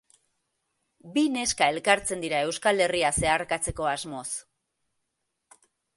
Bi neska elkartzen dira Euskal Herria zeharkatzeko asmoz.